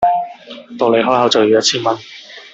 到你開口就要一千蚊